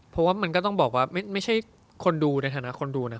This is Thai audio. เพราะว่ามันก็ต้องบอกว่าไม่ใช่คนดูในฐานะคนดูนะ